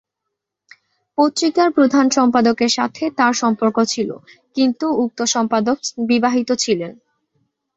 পত্রিকার প্রধান সম্পাদকের সাথে তার সম্পর্ক ছিল কিন্তু উক্ত সম্পাদক বিবাহিত ছিলেন।